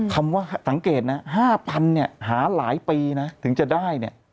คำว่าสังเกตนะ๕๐๐๐บาทหาหลายปีถึงจะได้